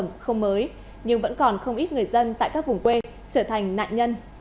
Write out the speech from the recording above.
sản phẩm không mới nhưng vẫn còn không ít người dân tại các vùng quê trở thành nạn nhân